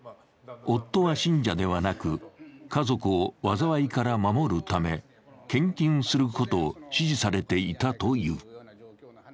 夫は信者ではなく、家族を災いから守るため献金することを指示されていたという。